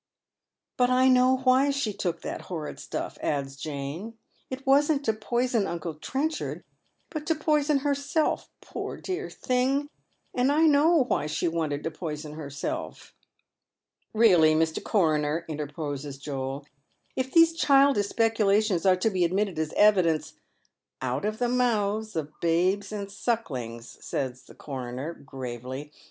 " But 1 know why she took that horrid stuff," adds Jane. " It wasn't to poison uncle Trenchard, but to poison herself, poor dear thing, and I know why she wanted to poison herself." " Eeally, Mr. Coroner," interposes Joel, " if these childish specu lations are to be admitted as evidence ""' Out of the mouths of babes and sucklings,' " says the coroner, gravely.